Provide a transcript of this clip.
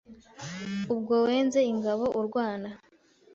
Ubwo wenze Ingabo urwana